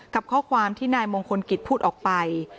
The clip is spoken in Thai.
ข้อความที่นายมงคลกิจพูดออกไป